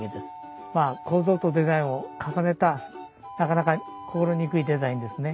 まあ構造とデザインを重ねたなかなか心憎いデザインですね。